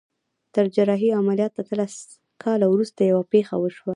تر جراحي عمليات اتلس کاله وروسته يوه پېښه وشوه.